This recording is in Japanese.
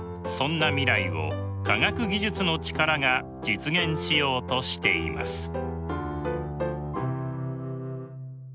そんな未来を科学技術の力が実現しようとしています。